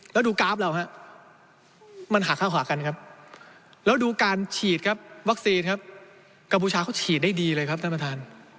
แล้วดูกราฟเราฮะมันหาข้าวหากันครับแล้วดูการฉีดครับวัคซีนครับกัมพูชาเขาฉีดได้ดีเลยครับท่านประธาน